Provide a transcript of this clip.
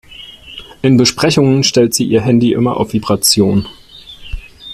In Besprechungen stellt sie ihr Handy immer auf Vibration.